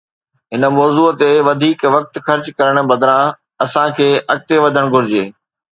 هن موضوع تي وڌيڪ وقت خرچ ڪرڻ بدران، اسان کي اڳتي وڌڻ گهرجي.